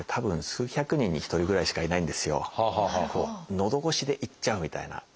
のどごしでいっちゃうみたいな。